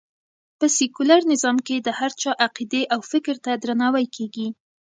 په سکیولر نظام کې د هر چا عقېدې او فکر ته درناوی کېږي